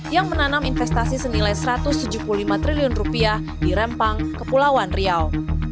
yang menanam investasi senilai rp satu ratus tujuh puluh lima triliun di rempang kepulauan riau